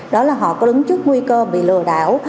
đó là họ có đứng trước nguy cơ bị lừa đảo